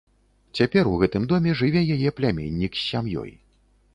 Цяпер у гэтым доме жыве яе пляменнік з сям'ёй.